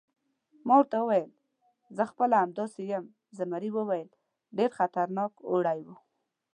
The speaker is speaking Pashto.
ما ورته وویل: زه خپله همداسې یم، زمري وویل: ډېر خطرناک اوړی و.